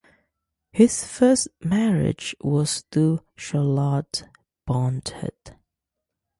His first marriage was to Charlotte Braunhut.